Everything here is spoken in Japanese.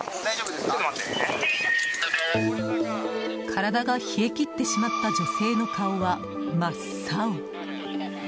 体が冷え切ってしまった女性の顔は真っ青。